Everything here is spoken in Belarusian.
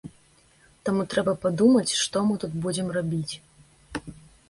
Таму трэба падумаць, што мы тут будзем рабіць.